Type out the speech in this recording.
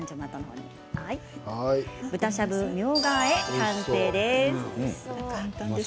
豚しゃぶみょうがあえ完成です。